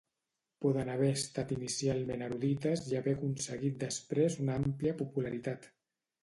Poden haver estat inicialment erudites i haver aconseguit després una àmplia popularitat.